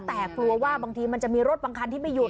แต่กลัวว่าบางทีมันจะมีรถบางคันที่ไม่หยุด